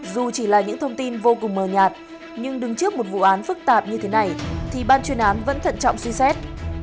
dù chỉ là những thông tin vô cùng mờ nhạt nhưng đứng trước một vụ án phức tạp như thế này thì ban chuyên án vẫn thận trọng suy xét